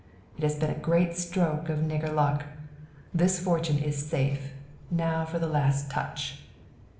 It has been a great stroke of nigger luck. This fortune is safe. Now for the last touch."